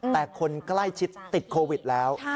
แต่คนใกล้ชิดติดโควิดแล้ว